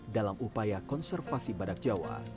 dia harus bersuara dulu